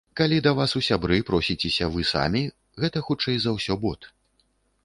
Калі да вас у сябры просіцеся вы самі, гэта хутчэй за ўсё бот.